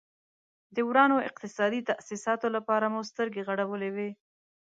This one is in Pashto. د ورانو اقتصادي تاسیساتو لپاره مو سترګې غړولې وې.